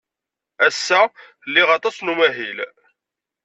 Ass-a liɣ aṭas n umahil.